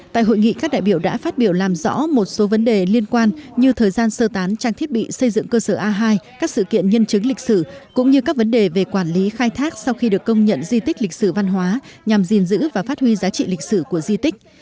tại hội nghị các đại biểu đã phát biểu làm rõ một số vấn đề liên quan như thời gian sơ tán trang thiết bị xây dựng cơ sở a hai các sự kiện nhân chứng lịch sử cũng như các vấn đề về quản lý khai thác sau khi được công nhận di tích lịch sử văn hóa nhằm gìn giữ và phát huy giá trị lịch sử của di tích